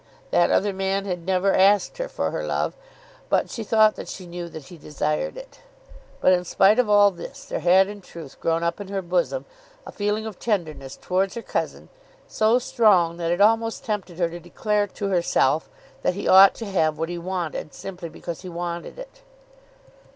That other man had never asked her for her love, but she thought that she knew that he desired it. But in spite of all this there had in truth grown up in her bosom a feeling of tenderness towards her cousin so strong that it almost tempted her to declare to herself that he ought to have what he wanted, simply because he wanted it.